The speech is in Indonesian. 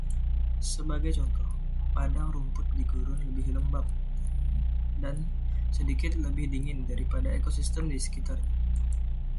Sebagai contoh, padang rumput di gurun lebih lembap dan sedikit lebih dingin daripada ekosistem di sekitarnya.